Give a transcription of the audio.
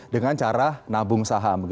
dengan cara nabung saham